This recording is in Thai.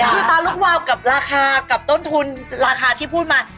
คือตาลุกวาวกับราคากับต้นทุนราคาที่พูดมา